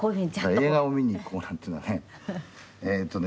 映画を見に行こうなんていうのはねえっとね